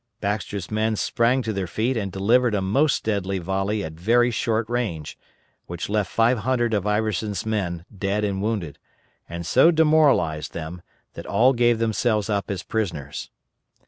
Baxter's men sprang to their feet and delivered a most deadly volley at very short range, which left 500 of Iverson's men dead and wounded, and so demoralized them, that all gave themselves up as prisoners.